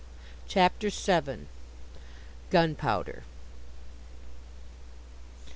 CHAPTER VII GUNPOWDER MR.